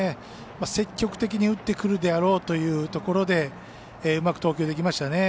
積極的に打ってやろうというところでうまく投球できましたね。